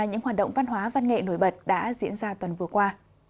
những hoạt động văn hóa văn nghệ nổi bật đã diễn ra tuần vừa qua